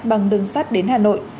bằng đường sát đến hà nội